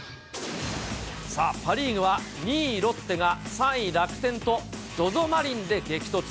さあ、パ・リーグは、２位ロッテが３位楽天とＺＯＺＯマリンで激突。